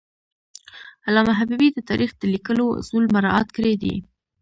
علامه حبیبي د تاریخ د لیکلو اصول مراعات کړي دي.